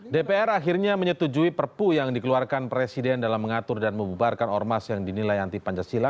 dpr akhirnya menyetujui perpu yang dikeluarkan presiden dalam mengatur dan membubarkan ormas yang dinilai anti pancasila